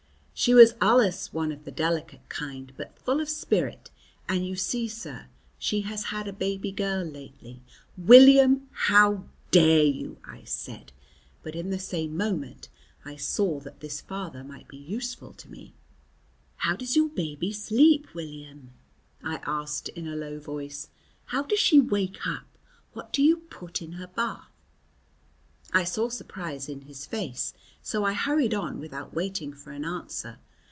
"She was allus one of the delicate kind, but full of spirit, and you see, sir, she has had a baby girl lately " "William, how dare you," I said, but in the same moment I saw that this father might be useful to me. "How does your baby sleep, William?" I asked in a low voice, "how does she wake up? what do you put in her bath?" I saw surprise in his face, so I hurried on without waiting for an answer.